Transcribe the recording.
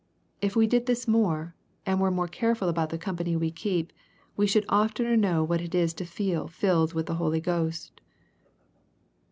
If we did this more, and were more careful about the company we keep, we should oftener know what it is to feel filled with the Holy Ghost.